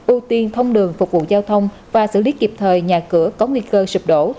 ưu tiên thông đường phục vụ giao thông và xử lý kịp thời nhà cửa có nguy cơ sụp đổ